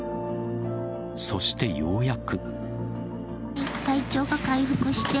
そして、ようやく。